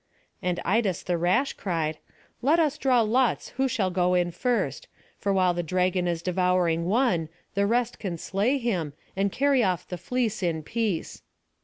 And Idas the rash cried, "Let us draw lots who shall go in first; for while the dragon is devouring one, the rest can slay him, and carry off the fleece in peace."